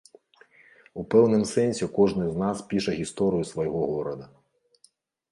У пэўным сэнсе кожны з нас піша гісторыю свайго горада.